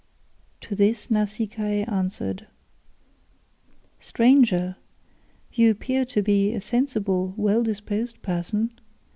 To this Nausicaa answered, "Stranger, you appear to be a sensible, well disposed person.